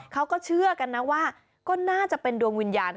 เขาก็เชื่อกันนะว่าก็น่าจะเป็นดวงวิญญาณ